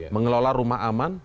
mengelola rumah aman